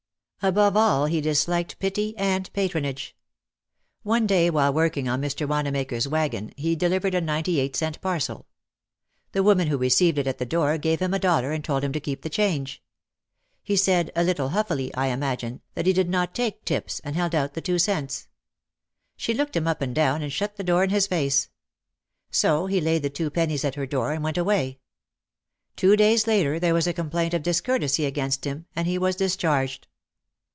Above all he dis liked pity and patronage. One day while working on Mr. Wanamaker's wagon he delivered a ninety eight cent parcel. The woman who received it at the door gave him a dollar and told him to keep the change. He said, a little huffily, I imagine, that he did not take "tips" and held out the two cents. She looked him up and down and shut the door in his face. So he laid the two pen nies at her door and went away. Two days later there was a complaint of discourtesy against him and he was discharged.